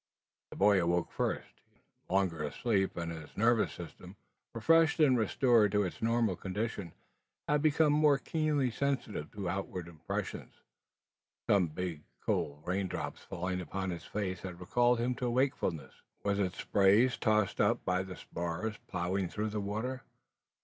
The boy awoke first. He had been longer asleep; and his nervous system, refreshed and restored to its normal condition, had become more keenly sensitive to outward impressions. Some big, cold rain drops falling upon his face had recalled him to wakefulness. Was it spray tossed up by the spars ploughing through the water?